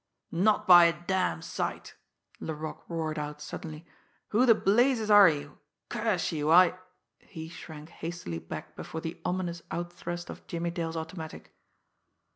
"Not by a damned sight!" Laroque roared out suddenly. "Who the blazes are you! Curse you, I " He shrank hastily back before the ominous outthrust of Jimmie Dale's automatic.